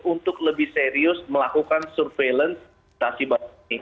untuk lebih serius melakukan surveillance